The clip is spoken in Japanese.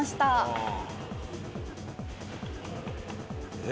ああ。